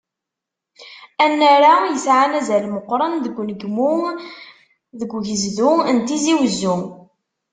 Annar-a, yesɛan azal meqqren deg unegmu deg ugezdu n Tizi Uzzu.